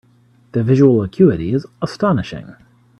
The visual acuity is astonishing.